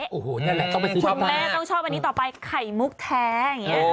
คุณแม่ต้องชอบอันนี้ต่อไปไข่มุกแท้